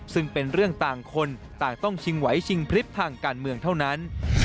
ซึ่งเป็นเรื่องต่างคนต่างต้องชิงไหวชิงพลิบทางการเมืองเท่านั้น